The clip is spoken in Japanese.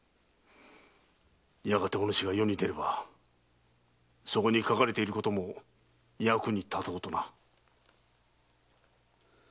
やがておぬしが世に出ればそこに書かれていることも役に立とうとな。